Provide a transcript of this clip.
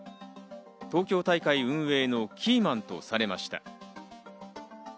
東京大会運営のキーマンとされました。